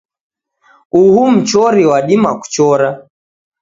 Uhu mchori wadima kuchora